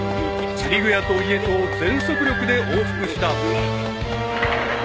［釣具屋と家とを全速力で往復した］